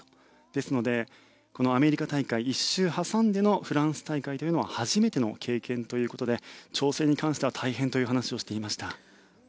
ですのでこのアメリカ大会１週挟んでのフランス大会というのは初めての経験ということで調整に関しては大変という話をしていました。